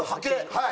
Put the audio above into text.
はい！